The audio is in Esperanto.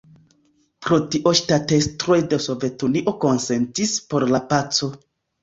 Pro tio ŝtatestroj de Sovetunio konsentis por la paco.